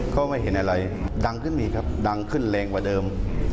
ก็ไม่เห็นอะไรดังขึ้นมีครับดังขึ้นแรงกว่าเดิม